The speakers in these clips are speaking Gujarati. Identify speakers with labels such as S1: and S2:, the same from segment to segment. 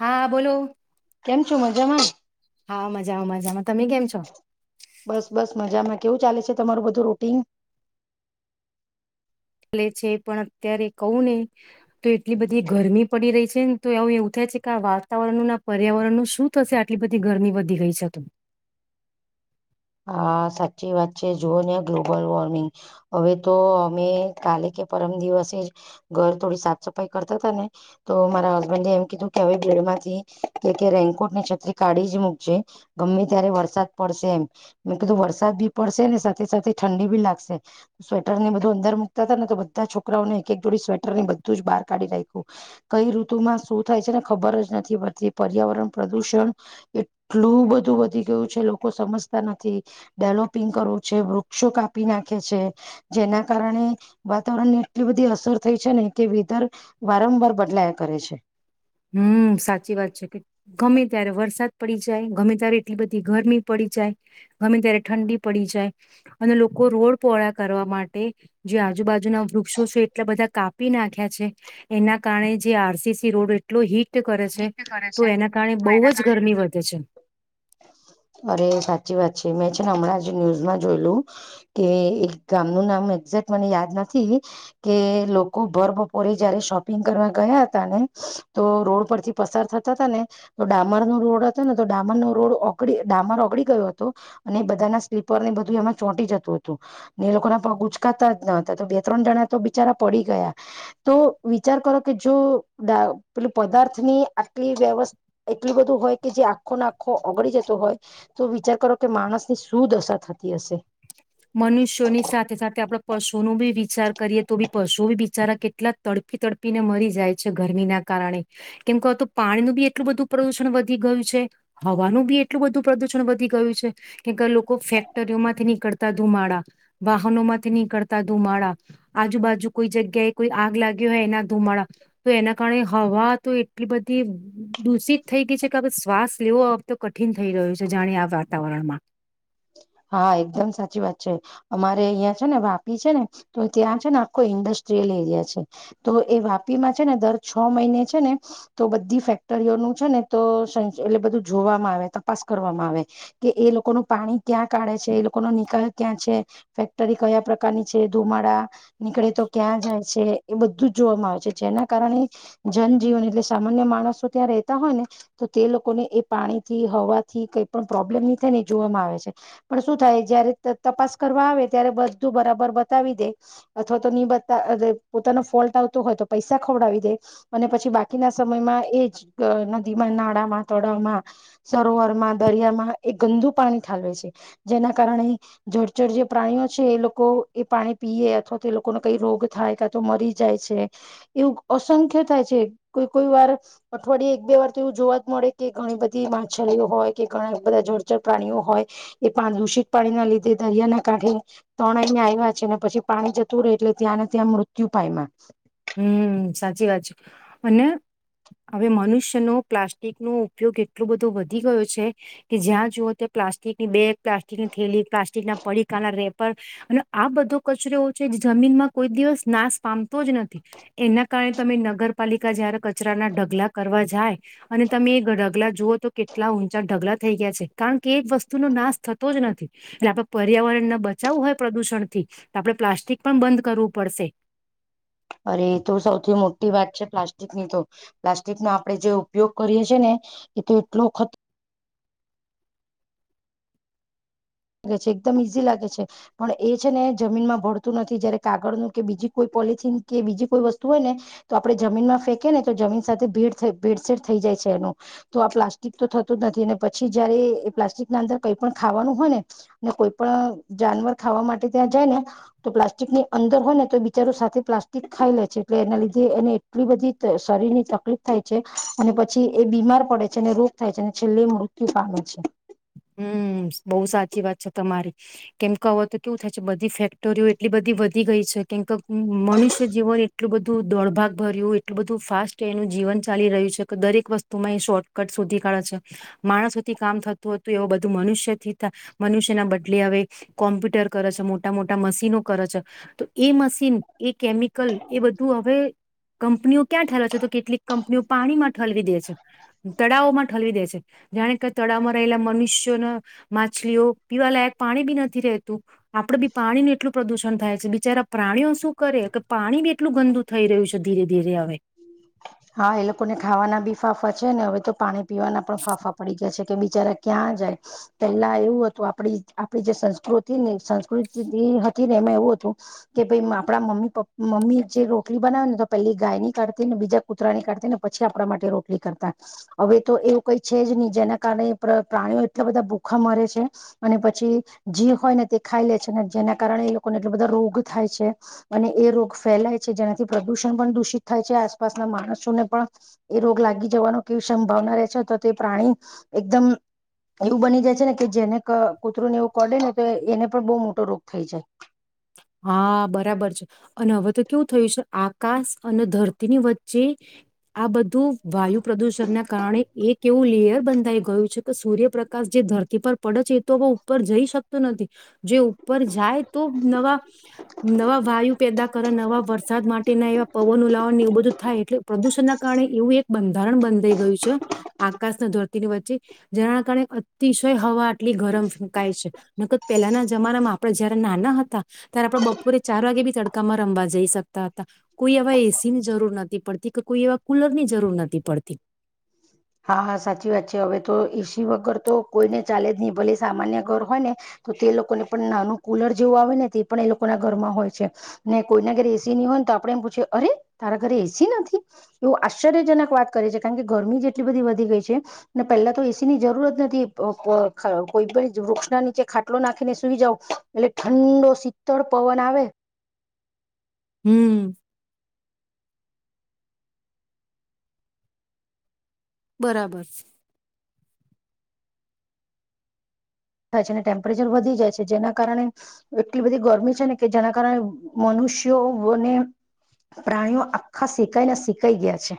S1: હા બોલો.
S2: કેમ છો મજામાં?
S1: હા મજા મજામાં તમે કેમ છો?
S2: બસ બસ મજામાં કેવું ચાલે છે તમારું બધું રૂટીન?
S1: લે છે પણ અત્યારે કવું ન, તો એટલી બધી ગરમી પડી રહી છે ને તો એવું એવું થાય છે કે આ વાતાવરણનું ના પર્યાવરણનું શું થશે આટલી બધી ગરમી વધી ગઈ છે તો.
S2: હા સાચી વાત છે જુઓ ને ગ્લોબલ વોર્મિંગ, હવે તો અમે કાલે કે પરમ દિવસે જ, ઘર થોડી સાફ સફાઈ કરતા તા ને, તો મારા હસબન્ડે એમ કીધું કે હવે ભીડ માંથી કે કે રેનકોટ ની છત્રી કાઢી જ મૂકજે, ગમે ત્યારે વરસાદ પડશે એમ. બધો વરસાદ બી પડશે ને સાથે સાથે ઠંડી બી લાગશે, સ્વેટર ને બધું અંદર મુૂકતા હતા ને તો બધા છોકરાઓને એક એક જોડી સ્વેટર ને બધું જ બહાર કાઢી રાખું, કઈ ઋતુમાં શું થાય છે ને ખબર જ નથી પડતી પર્યાવરણ પ્રદુષણ, એટલું બધું વધી ગયું છે લોકો સમજતા નથી. થી, ડેવલોપિંગ કરવું છે વૃક્ષો કાપી નાખે છે, જેના કારણે વાતાવરણની એટલી બધી અસર થઈ છે ને કે વેધર, વારંવાર બદલાયા કરે છે.
S1: હુ સાચી વાત છે કે ગમે ત્યારે વરસાદ પડી જાય ગમે ત્યારે એટલી બધી ગરમી પડી જાય, ગમે ત્યારે ઠંડી પડી જાય, અને લોકો રોડ પહોળા કરવા માટે જે આજુબાજુના વૃક્ષો છે એટલા બધા કાપી નાખ્યા છે, એના કારણે જે આર સી સી રોડ લો હી તે કરે છે, તો
S2: છે
S1: એના કારણે
S2: તો
S1: બહુ
S2: એના
S1: જ ગરમી વધે છે.
S2: મે છે ને હમણાં જે ન્યૂઝમાં જોયલું, કે એક ગામનું નામ એક્ઝેક્ટ મને યાદ નથી, કે લોકો ભર બપોરે જયારે શોપિંગ કરવા ગયા હતા ને, તો રોડ પર પ થતા ને, તો ડામર નો રોડ હતો ને તો ડામર નો રોડ ઓગ ડામર ઓગળી ગયો હતો, અને બધાના સ્લીપરને બધું એમાં ચોંટી જતું હતું, ને એ લોકો ના પગ ઉચકાતા જ ન હતા તો બે ત્રણ જણા તો બિચારા પડી ગયા, તો વિચાર કરો કે જો દા પેલું પદાર્થ ની આટલી વ્યવસ એટલું બધું હોય કે જે આખો ના આખો ઓગળી જતો હોય, તો વિચાર કરો કે માણસની શું દશા થતી હશે.
S1: મનુષ્યોની સાથે સાથે આપડ પશુ ન બી વિચાર કરીએ તો બી પશુઓ બી બિચારા કેટલા તડપી તડપીને મરી જાય છે ગરમીના કારણે કેમ કે તો પાણીનું બી એટલું બધું પ્રદુષણ વધી ગયું છે હવાનું બી એટલું બધું પ્રદુષણ વધી ગયું છે કેમકે લોકો ફેક્ટરીઓમાંથી નીકળતા ધુમાડા વાહનો માંથી નીકળતા ધુમાડા આજુબાજુ કોઈ જગ્યાએ કોઈ આગ લાગી હોય એના ધુમાડા તો એના કારણે હવા તો એટલી બધી દૂષિત થઈ ગઈ છે કે શ્વાસ લેવો તો કઠિન થઈ રહ્યું છે જાણે આ વાતાવરણમાં
S2: હા એકદમ સાચી વાત છે અમારે અહિયાં છે ને વાપી છે ને તો ત્યાં છે ને આખો ઇન્ડસ્ટ્રીયલ એરિયા છે તો એ વાપી માં છે ને દર છ મહિને છે ને તો બધી ફેક્ટરીઓનું છે ને તો [unintelligible] એટલે બધું જોવામાં આવે તપાસ કરવામાં આવે કે એ લોકોનું પાણી ક્યાં કાઢે છે એ લોકોનો નિકાલ ક્યાં છે ફેક્ટરી કયા પ્રકારની છે ધુમાડા નીકળે તો ક્યાં જાય છે એ બધું જ જોવામાં આવે છે જેના કારણે જનજીવન એટલે સામાન્ય માણસો ત્યાં રહેતા હોય ને તો તે લોકોને એ પાણી થી હવા થી કઈ પણ પ્રોબ્લેમ નહી થાય ને એ જોવામાં આવે છે. પણ શું થાય જય્યારે તતપાસ કરવા આવે ત્યારે બધું બરાબર બતાવી દે અથવા તો નની બતા પોતાનો ફોલ્ટ આવતો હોય તો પૈસા ખવડાવી દે અને પછી બાકીના સમયમાં એ જ નદીમાં નાળામાં તળાવમાં સરોવરમાં દરિયામાં એ ગંદુ પાણી ઠાલવે છે. જેના કારણે જળચર જે પ્રાણીઓ છે એ લોકો એ પાણી પીએ અથવા તો એ લોકોને કઈ રોગ થાય કા તો મરી જાય છે એવું અસંખ્ય થાય છે કોઈ કોઈ વાર અઠવાડિયે એક બે વાર તો એવું જોવા જ મળે કે ઘણી બધી માછલીઓ હોય કે ઘણા બધા જળચર પ્રાણીઓ હોય એ પા દૂષિત પાણીના લીધે દરિયાના કાંઠે તણાઈને આવ્યા છે ને પછી પાણી જતું રહે છે ત્યાં ને ત્યાં મૃત્યુ પાાયમાં
S1: હમ સાચી વાત છે અને હવે મનુષ્યનો પ્લાસ્ટિકનોો ઉપયોગ એટલો બધો વધી ગયો છે કે જ્યાં જુઓ ત પ્લાસ્ટિકની બેગ પ્લાસ્ટિકની થેલી પ્લાસ્ટિક ના પડીકાના રેપર અને આ બધો કચરોઓ છે જમીનમાં કોઈ દિવસ નાશ પામતો જ નથી. એના કારણે તમે નગરપાલિકા જયારે કચરાના ઢગલા કરવા જાય અને તમે એ ઢગલા જુઓ તો કેટલા ઊંચા ઢગલા થઈ ગયા છે કારણ કે એ વસ્તુનો નાશ થતો જ નથી એટલે આપણે પર્યાવરણને બચાવવું હોય પ્રદૂષણથી આપણે પ્લાસ્ટિક પણ બંધ કરવું પડશે
S2: અરે એ તો સૌથી મોટી વાત છે પ્લાસ્ટિક ની તો પ્લાસ્ટિકનો આપડણે જે ઉપયોગ કરીએ છીએ ને એ તો એટલો ખત લે એકદમ ઈઝી લાગે છે પણ એ છે ને જમીનમાં ભરતું નથી જયારે કાગળનું કે બીજી કોઈ પોલથીન કે બીજી કોઈ વસ્તુ હોય ને તો આપડે જમીનમાં ફેંકે ને તો જમીન સાથે ભેડ ભેડસેડ થઈ જાય છે એનું તો આ પ્લાસ્ટિક તો થતું જ નથી અને પછી જયારે એ પ્લાસ્ટિક ના અંદર કઈ પણ ખાવાનું હોય ને અને કોઈ પણ જાનવર ખાવા માટે ત્યાં જાય ને તો પ્લાસ્ટિકની અંદર હોય ને તો બિચારો સાથે પ્લાસ્ટિક ખાઈ લે છે એટલે એના લીધે એને એટલી બધી શરીર ની તકલીફ થાય છે અને પછી એ બીમાર પડે છે અને રોગ થાય છે અને છેલ્લે મૃત્યુ પામે છે.
S1: હમ બઉુ સાચી વાત છે તમારી કેમ કે હવે તો કેવું થાય છે બધી ફેક્ટરીઓ એટલી બધી વધી ગઈ છે કેમ કે મનુષ્ય જીવન એટલું બધું દોડભાગ ભર્યું એટલું બધું ફાસ્ટ એનું જીવન ચાલી રહ્યું છે કે દરેક વસ્તુમાં એ શોર્ટકટ શોધી કાઢે છે માણસોથી કામ થતું હો એવ બધું મનુષ્યથીથા મનુષ્યના બદલે હવે કોમ્પ્યુટર કરે સ મોટા મોટા મશીનો કરે છે તો એ મશીન એ કેમિકલ એ બધું હવે કંપનીઓ ક્યાં ઠલેવે છે તો કેટલીક કંપનીઓ પાણીમાં ઠલવી દે છે તળાવોમાં ઠલવી દે છે જાણે કે તળાવમાં રહેલા મનુષ્ય ન માછલીઓ પીવાલાયક પાણી બી નથી રહેતું આપડે બી પાણી ન એટલું પ્રદુષણ થાય છે બિચારા પ્રાણીઓ શું કરે કે પાણી બી એટલું ગંદુ થઈ રહ્યું છે. ધીરે ધીરે હવે
S2: હા એ લોકો ને ખાવાના બી ફાફા છે ને હવે તો પાણી પીવાના પણ ફાફા પડી ગયા છે કે બિચારા ક્યાં જાય પેલા એવું હતું આપડી આપડી જે સંસ્કૃતિ ને સંસ્કૃતિ જે હતી ને એમાં એવું હતું કે ભાઈ આપણા મમ્મી પ્પ મમ્મી જે રોટલી બનાવે ને તો પેલી ગાયની ને બીજા કૂતરાની કાઢતી ને પછી આપણા માટે રોટલી કરતા હવે તો એવું કઈ છે જ નહી જેના કારણે પ્રાણીઓ એટલા બધા ભૂખા મરે છે અને પછી જી હોય ને તે ખાઈ લે છે ને જેના કારણે એ લોકોને એટ બધા રોગ થાય છે અને એ રોગ ફેલાય છે જેનાથી પ્રદુષણ પણ દૂષિત થાય છે આસપાસના માણસોને પણ એ રોગ લાગી જવાનો કેવી સંભાવના રહે છે તો તે પ્રાણી એકદમ એવું બની જાય છે ને કે જેને કૂતરું ને એવું કડે ને તો એને પણ બહ મોટો રોગ થઈ જાય
S1: હા બરાબર છે અને હવે તો કેવું થયું છે આકાશ અને ધરતીની વચ્ચે આ બધું વાયુ પ્રદુષણના કારણે એક એવું લેયર બંધાઈ ગયું છે કે સૂર્યપ્રકાશ જે ધરતી પર પડે છે એ તો હવે ઉપર જઈ શકતોું નથી જે ઉપર જાય તો નવા નવા વાયુ પેદા કરે નવા વરસાદ માટેના એવા પવન ઉલાવણ એવું બધું થાય એટલે પ્રદુષણ ના કારણે એવું એક બંધારણ બંધઈ ગયું છે આકાશના ધરતીની વચ્ચે જેના કારણે અતિશય હવા આટલી ગરમ ફેંકાય છે ન પહેલાના જમાનામાં આપડણે જયારે નાના હતા ત્યારે આપણે બપોરે ચાર વાગે બી તડકામાં રમવા જઈ શકતા હતા કોઈ એવા એસીની જરૂર નથી પડતી કે કોઈ એવા કુલર ની જરૂર નથી પડતી
S2: હા હા સાચી વાત છે હવે તો એસી વગર તો કોઈને ચાલે જ નહી ભલે સામાન્ય ઘર હોય ને તો તે લોકોને પણ નાનું કુલર જેવું આવે ને તે પણ એ લોકોના ઘરમાં હોય છે ને કોઈના ઘરે એસી નહી હોય ને તો આપણે એમ પૂછીએ અરે તારા ઘરે એસી નથી એવું આશ્ચર્યજનક વાત કરે છે કારણ કે ગરમી જે એટલી બધી વધી ગઈ છે ને પેલા તો એસી ની જરૂરત નથી કોઈ પણ વૃક્ષ ના નીચે ખાટલો નાખીને સુઈ જાવ એટલે ઠંડો શીતળ પવન આવે
S1: હમ બરાબર
S2: થાય છે અને ટેમ્પરેચર વધી જાય છે જેના કારણે એટલી બધી ગરમી છે ને કે જેના કારણે મનુષ્યોને પ્રાણીઓ આખા શેકાઈને શીકાઈ ગયા છે.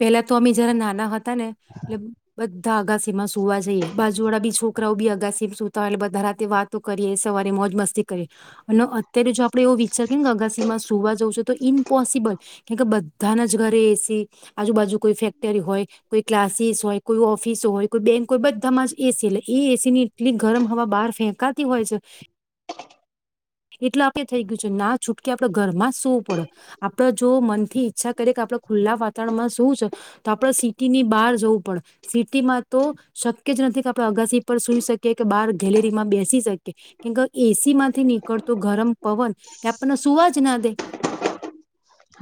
S1: પેલા તો અમે જરા નાના હતા હને એટલે બધ બધા અગાસીમાં સુવા જઈએ બાજુ વાળા બી છોકરાઓ બી અગાસીમાં સુતા હોય એટલે બધા રાતે વાતો કરીએ સવારે મોજ મસ્તી કરીએ અને અત્યારે જો આપડે એવો વિચાર કે અગાસીમાં સુવા જઉં છું તો ઇમ્પોસિબલ કેમ કે બધાના જ ઘરે એસી આજુબાજુ કોઈ ફેક્ટરી હોય કોઈ ક્લાસીસ હોય કોઈ ઓફિસ હોય કોઈ બેંક હોય બધામાં જ એસી એટલે એ એસી ની એટલી ગરમ હવા બહાર ફેંકાતી હોય છે.
S2: [inaudible]
S1: એટલે આપડે થઈ ગયું છે ના છૂટકે આપડ ઘરમાં સવું પડે આપડે જો મન થી ઈચ્છા કરીએ કે આપડ ખુલ્લા વાત તણમાં શું છે તો આપડણે સિટી ની બહાર જવું પડે સિટીમાં તો શક્ય જ નથી કે આપણે અગાસી પર સુઈ શકીએ કે બહાર ગેલેરીમાં બેસી શકીએ કેમ કે એસી માંથી નીકળતો ગરમ પવન એ આપણને સુવા જ ના દે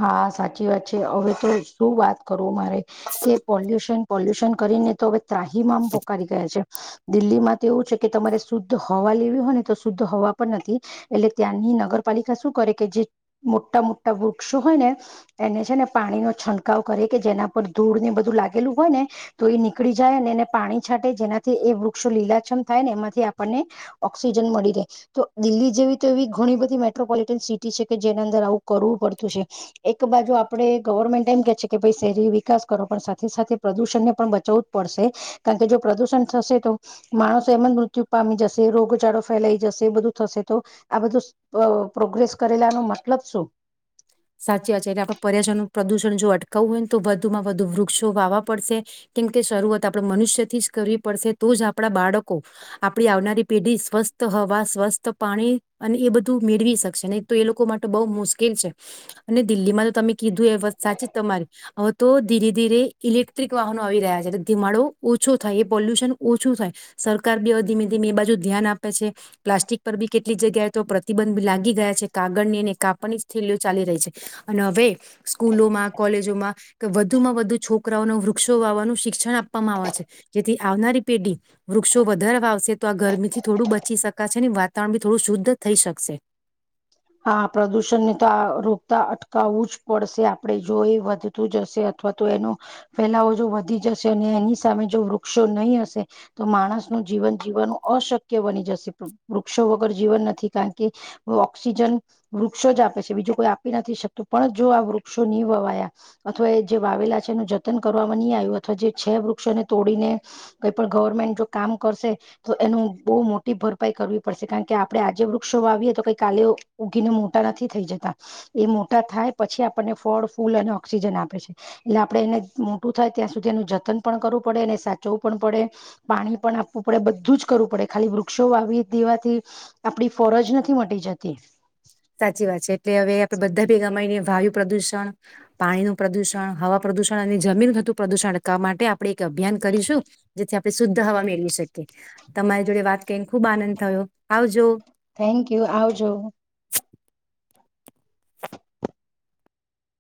S2: હા સાચી વાત છે હવે તો શું વાત કરું મારે કે પોલ્યુશન પોલ્યુશન કરીને તો હવે ત્રાહીમાં આમ પોકારી ગયા છે. દિલ્હીમાં તો એવું છે કે તમારે શુદ્ધ હવા લેવી હોય ને તો શુદ્ધ હવા પણ નથી એટલે ત્યાંની નગરપાલિકા શું કરે કે જે મોટા મોટા વૃક્ષો હોય ને એને છે ને પાણી નો છંટકાવ કરે કે જેના પર ધૂળ ને બધું લાગેલું હોય ને તો એ નીકળી જાય અને એને પાણી છાંટે જેનાથી એ વૃક્ષો લીલાછમ થાય ને એમાંથી આપણને ઓક્સિજન મળી રહે તો દિલ્હી જેવી તો એવી ઘણી બધી મેટ્રોપોલિટન સિટી છે કે જેના અંદર આવું કરવું પડે એક બાજુ આપડણે ગવર્મેન્ટ એમ કે છે કે ભાઈ શહેરી વિકાસ કરો પણ સાથે સાથે પ્રદુષણને પણ બચાવવું જ પડશે કારણ કે જો પ્રદુષણ થશે તો માણસો એમ જ મૃત્યુ પામી જશે રોગચાળો ફેલાઈ જશે બધું થશે તો આ બધું પ્રોગ્રેસ કરેલાનો મતલબ શું
S1: સાચી આચ એટલે આપડણે પર્યાચરણ પ્રદુષણ જો અટકાવવું હોય ને તો વધુમાં વધુ વૃક્ષો વાવા પડશે કેમ કે શરૂઆત આપણે મનુષ્યથી જ કરવી પડશે તો જ આપણા બાળકો આપડી આવનારી પેઢી સ્વસ્થ હવા સ્વસ્થ પાણી અને એ બધું મેળવી શકશે નહી તો એ લોકો માટે બહુ મુશ્કેલ છે. અને દિલ્હીમાં તો તમે કીધું એ વસ્ત સાચી તમારી તો ધીરે ધીરે ઇલેક્ટ્રિક વાહનો આવી રહ્યા છે એ ધીમાડો ઓછો થાય એ પોલ્યુશન ઓછું થાય સરકાર બી ધીમે ધીમે એ બાજુ ધ્યાન આપે છે પ્લાસ્ટિક પર બી કેટલીક જગ્યાએ તો પ્રતિબંધ લાગી ગયા છે કાગળ ની અને કાપણી જ થઈ છે. ચાલી રહી છે અને હવે સ્કૂલોમાં કોલેજોમાં કે વધુમાં વધુ છોકરાઓને વૃક્ષો વાવાનું શિક્ષણ આપવામાં આવે છે જેથી આવનારી પેઢી વૃક્ષો વધારવા આવશે તો આ ગરમીથી થોડું બચી શકાશે અને વાતાવરણ બી થોડું શુદ્ધ થઈ શકશે
S2: હા પ્રદુષણને તો રોકતા અટકાવવું જ પડશે આપણે જો એ વધતું જશે અથવા તો એનો ફેલાવો જો વધી જશે અને એની સામે જો વૃક્ષો નહી હશે તો માણસ ન જીવન જીવવાનું અશક્ય બની જશે વૃક્ષો વગર જીવન નથી કારણ કે ઓક્સિજન વૃક્ષો જ આપે છે બીજું કોઈ આપી નથી શકતું પણ જો આ વૃક્ષો નહી વાવાયા અથવા એ જે વાવેલા છે એનું જતન કરવામાં નહી આવ્યું અથવા જે છે વૃક્ષોને તોડીને કઈ પણ ગવર્મેન્ટ જો કામ કરશે તો એનું બહુ મોટી ભરપાઈ કરવી પડશે કારણ કે આપડણે આજે વૃક્ષો વાવીએ તો કઈક કાલે ઉગીને મોટા નથી થઈ જતા એ મોટા થાય પછી આપણને ફળ ફૂલ અને ઓક્સિજન આપે છે એટલે આપણે એને મોટું થાય ત્યાં સુધી એનું જતન પણ કરવું પડે એને સાચવવું પણ પડે પાણી પણ આપવું પડે બધું જ કરવું પડે ખાલી વૃક્ષો વાવી દેવાથી આપડી ફળ જ નથી મટી જતી [inaudible]
S1: સાચી વાત છે એટલે હવે આપણેે બધા ભેગા માંઈને વાય્યું પ્રદુષણ પાણી નું પ્રદુષણ હવા પ્રદુષણ અને જમીનતું પ્રદુષણ રકવા માટે આપણે એક અભિયાન કરીશું જેથી આપણે શુદ્ધ હવા મેળવી શકીએ તમારી જોડે વાત ક ખુબ આનંદ થયો આવજો
S2: થેન્ક યુ આવજો